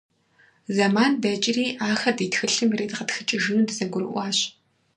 Зэман дэкӀри, ахэр ди тхылъым иредгъэтхыкӀыжыну дызэгурыӀуащ.